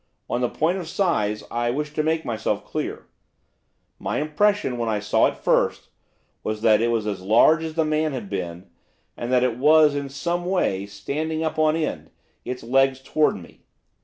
On the point of size I wish to make myself clear. My impression, when I saw it first, was that it was as large as the man had been, and that it was, in some way, standing up on end, the legs towards me.